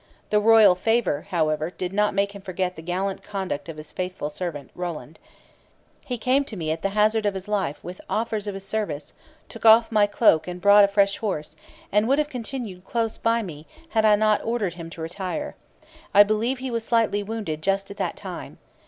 The royal favour, however, did not make him forget the gallant conduct of his faithful servant, Roland: 'He came to me at the hazard of his life with offers of his service, took off my cloak and brought a fresh horse; and would have continued close by me had I not ordered him to retire. I believe he was slightly wounded just at that time.